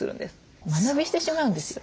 間延びしてしまうんですよ。